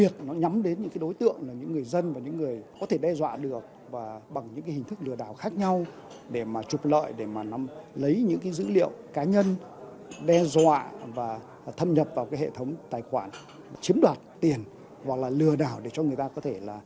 thâm nhập vào hệ thống tài khoản chiếm đoạt tiền hoặc lừa đảo để cho người ta có thể